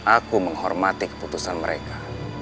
aku menghormati keputusan mereka